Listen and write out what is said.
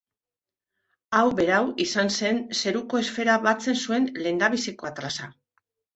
Hau berau izan zen zeruko esfera batzen zuen lehendabiziko atlasa.